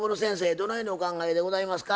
どのようにお考えでございますか？